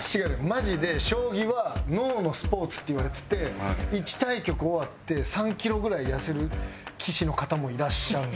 マジで将棋は脳のスポーツっていわれてて１対局終わって３キロぐらい痩せる棋士の方もいらっしゃるねん。